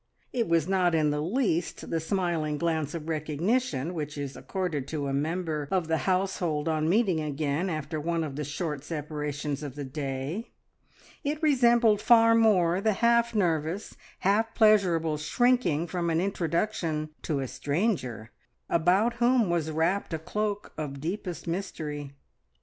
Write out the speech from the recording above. It was not in the least the smiling glance of recognition which is accorded to a member of the household on meeting again after one of the short separations of the day; it resembled far more the half nervous, half pleasurable shrinking from an introduction to a stranger, about whom was wrapped a cloak of deepest mystery.